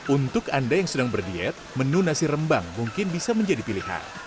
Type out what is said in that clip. untuk anda yang sedang berdiet menu nasi rembang mungkin bisa menjadi pilihan